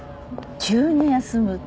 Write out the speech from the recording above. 急に休む？